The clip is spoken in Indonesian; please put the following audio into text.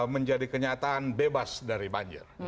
menjadi kenyataan bebas dari banjir